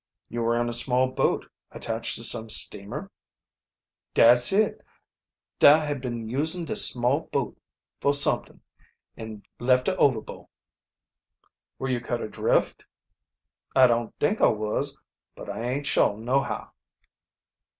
"You were in a small boat attached to some steamer?" "Dat's it. Da had been usin' de small boat fo' surnt'ing, and left her overboard." "Were you cut adrift?" "I don't tink I was but I aint shuah nohow."